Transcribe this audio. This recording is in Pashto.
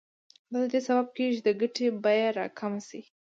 دا د دې سبب کېږي چې د ګټې بیه راکمه شي